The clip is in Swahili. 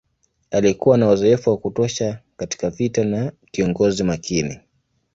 Alikuwa na uzoefu wa kutosha katika vita na kiongozi makini.